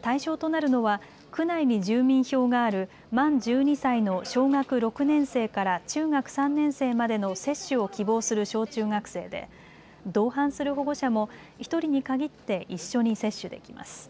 対象となるのは区内に住民票がある満１２歳の小学６年生から中学３年生までの接種を希望する小中学生で同伴する保護者も１人に限って一緒に接種できます。